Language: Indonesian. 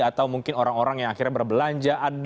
atau mungkin orang orang yang akhirnya berbelanja